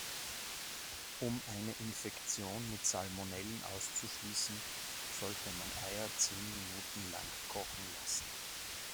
Um eine Infektion mit Salmonellen auszuschließen, sollte man Eier zehn Minuten lang kochen lassen.